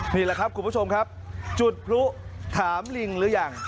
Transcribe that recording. นี่แหละครับคุณผู้ชมครับจุดพลุถามลิงหรือยัง